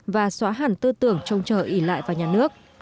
và xóa hẳn tư tưởng trông chờ ỉ lại vào nhà nước